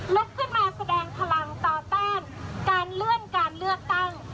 ลุกขึ้นมาแสดงพลังต่อต้านการเลื่อนการเลือกตั้ง